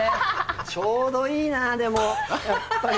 ちょうどいいなでもやっぱり。